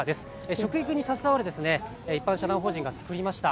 食育に携わる一般社団法人が作りました。